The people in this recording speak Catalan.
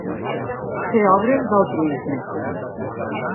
Fer obres d'altruisme